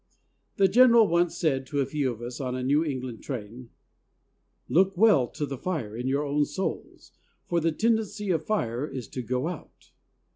The General once said to a few of us on a New England train, "Look well to the fire in your own souls, for the tendency of fire is to go out."